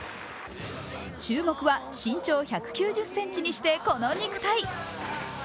注目は身長１９０ｃｍにしてこの肉体。